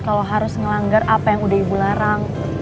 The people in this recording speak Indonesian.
kalau harus ngelanggar apa yang udah ibu larang